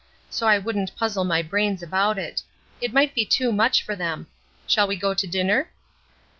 So I wouldn't puzzle my brains about it. It might be too much for them. Shall we go to dinner?"